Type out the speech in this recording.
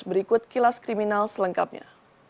berikut kilas kriminal selengkapnya